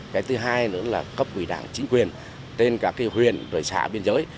cái thứ hai nữa là cấp quỷ đảng chính quyền tên các huyền xã biên giới